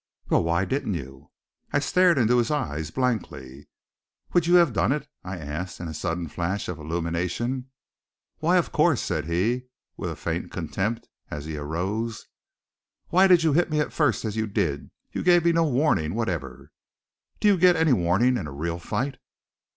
"Well, why didn't you?" I stared into his eyes blankly. "Would you have done it?" I asked, in a sudden flash of illumination. "Why, of course," said he, with a faint contempt, as he arose. "Why did you hit me at first, as you did? You gave me no warning whatever." "Do you get any warning in a real fight?"